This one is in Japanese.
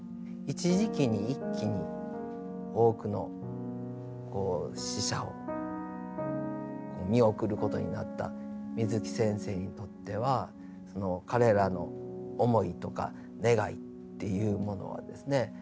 一時期に一気に多くの死者を見送ることになった水木先生にとっては彼らの思いとか願いっていうものはですね